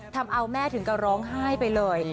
ทำเอาแม่ถึงกับร้องไห้ไปเลย